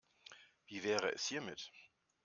Wie wäre es hiermit?